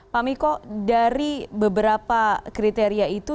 pak miko dari beberapa kriteria itu